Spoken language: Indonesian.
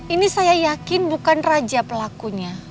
ini saya yakin bukan raja pelakunya